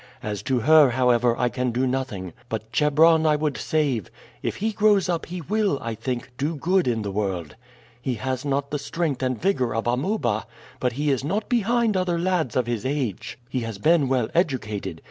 As to her, however, I can do nothing; but Chebron I would save. If he grows up he will, I think, do good in the world. He has not the strength and vigor of Amuba, but he is not behind other lads of his age. He has been well educated.